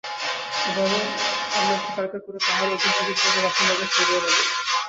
এবারও আমরা একটি তালিকা করে পাহাড়ে অধিক ঝুঁকিতে থাকা বাসিন্দাদের সরিয়ে নেব।